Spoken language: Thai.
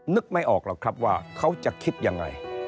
นึกไม่ออกหรอกครับว่าเขาจะคิดยังไง